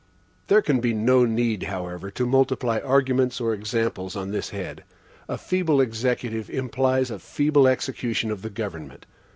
There can be no need, however, to multiply arguments or examples on this head. A feeble Executive implies a feeble execution of the government.